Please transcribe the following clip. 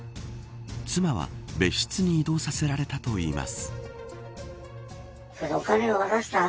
妻は別室に移動させられたといいます。